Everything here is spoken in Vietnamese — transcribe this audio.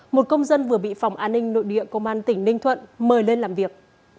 một công dân vừa bị phòng an ninh nội địa công an tỉnh ninh thuận mời lên làm việc